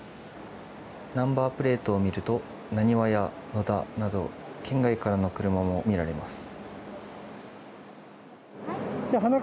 ナンバープレートを見るとなにわや野田など県外からの車も見られます。